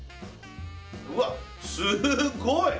うわっすごい！